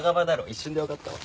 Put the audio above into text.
一瞬でわかったわ。